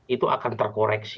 itu akan terkoreksi